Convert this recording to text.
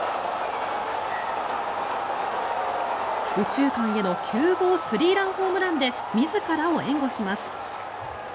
右中間への９号スリーランホームランで自らを援護します。